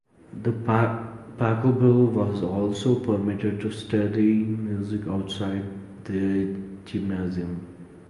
Pachelbel was also permitted to study music outside the Gymnasium.